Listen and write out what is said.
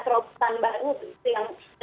terobosan baru yang